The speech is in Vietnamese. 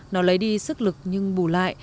nó lấy đi sức lực nhưng bù lại